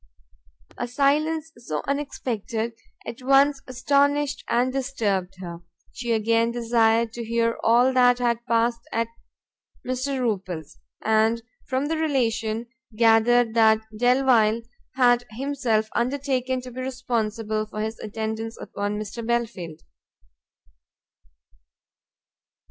A silence so unexpected at once astonished and disturbed her; she again desired to hear all that had passed at Mr. Rupil's, and from the relation gathered that Delvile had himself undertaken to be responsible for his attendance upon Mr. Belfield.